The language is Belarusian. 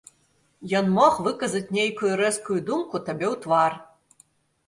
Ён мог выказаць нейкую рэзкую думку табе ў твар.